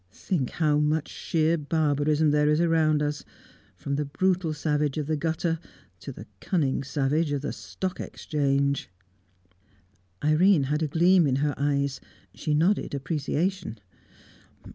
Think how much sheer barbarism there is around us, from the brutal savage of the gutter to the cunning savage of the Stock Exchange!" Irene had a gleam in her eyes; she nodded appreciation.